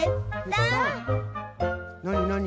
なになに？